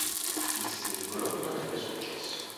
Il singolo non ebbe successo.